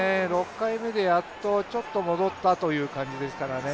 ６回目でやっとちょっと戻ったという感じですからね。